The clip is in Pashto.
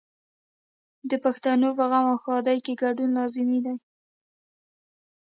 د پښتنو په غم او ښادۍ کې ګډون لازمي وي.